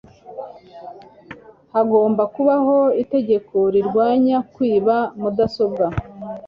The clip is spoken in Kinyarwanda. Hagomba kubaho itegeko rirwanya kwiba mudasobwa.